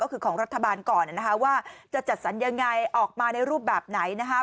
ก็คือของรัฐบาลก่อนนะคะว่าจะจัดสรรยังไงออกมาในรูปแบบไหนนะครับ